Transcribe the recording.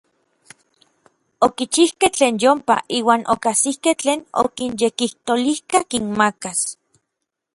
Okichijkej tlen yompa, iuan okajsikej tlen okinyekijtolijka kinmakas.